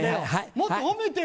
もっと褒めてよ。